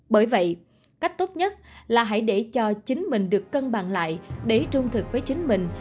bởi vậy cách tốt nhất là hãy để cho chính mình được cân bằng lại để trung thực với chính mình